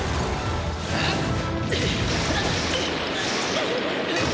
うっ！